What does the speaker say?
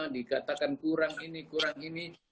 dikatakan kurang ini kurang ini